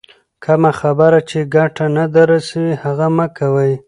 کمه خبر چي ګټه نه در رسوي، هغه مه کوئ!